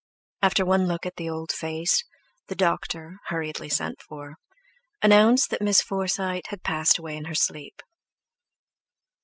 After one look at the old face, the doctor, hurriedly sent for, announced that Miss Forsyte had passed away in her sleep.